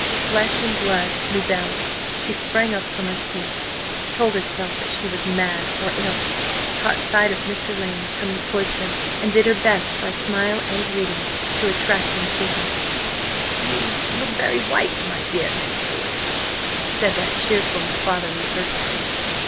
Flesh and blood rebelled. She sprang up from her seat; told herself that she was mad or ill; caught sight of Mr. Lane coming towards them, and did her best by smile and greeting to attract him to her. "You look very white, my dear Miss Boyce," said that cheerful and fatherly person.